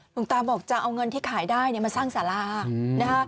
หลวงต้ามบอกจะเอาเงินที่ขายได้มาสร้างสลา